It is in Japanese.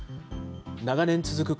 長年続く